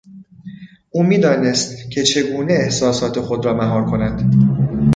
او میدانست که چگونه احساسات خود را مهار کند.